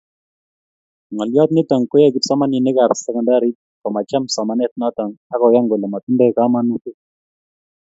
Ngoliot nito koyae kipsomaninikab sekondarit komacham somanet noto ak koyan kole matindoi kamanutik